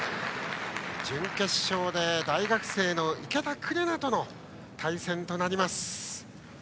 準決勝で、大学生の池田紅との対戦となります。